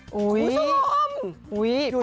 คุณผู้ชม